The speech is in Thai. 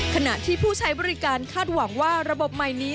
ขณะที่ผู้ใช้บริการคาดหวังว่าระบบใหม่นี้